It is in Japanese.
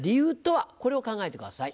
これを考えてください。